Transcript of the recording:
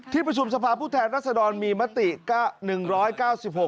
ประชุมสภาพผู้แทนรัศดรมีมติ๙๑๙๖